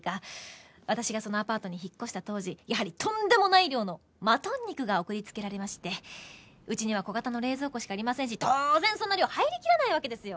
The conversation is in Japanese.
私がそのアパートに引っ越した当時やはりとんでもない量のマトン肉が送りつけられましてうちには小型の冷蔵庫しかありませんし当然そんな量は入りきらないわけですよ。